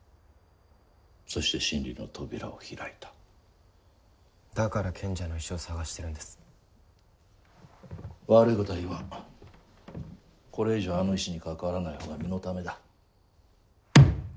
そして真理の扉を開いただから賢者の石を探してるんです悪いことは言わんこれ以上あの石に関わらない方が身のためだ